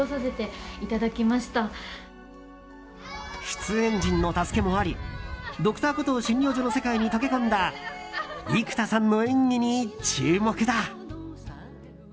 出演陣の助けもあり「Ｄｒ．コトー診療所」の世界に溶け込んだ生田さんの演技に注目だ。